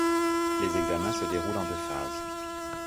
Les examens se déroulent en deux phases.